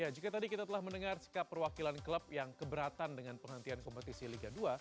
jika tadi kita telah mendengar sikap perwakilan klub yang keberatan dengan penghentian kompetisi liga dua